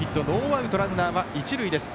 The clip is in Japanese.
ノーアウト、ランナーは一塁。